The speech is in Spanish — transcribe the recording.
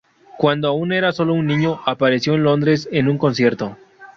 Cuando aún era sólo un niño apareció en Londres en un concierto.